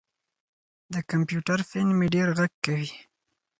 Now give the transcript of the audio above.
د کمپیوټر فین مې ډېر غږ کوي.